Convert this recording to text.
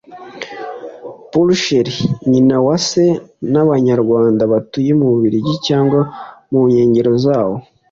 Pulcherie Nyinawase n’abanyarwanda batuye mu Bubiligi cyangwa mu nkengero zaho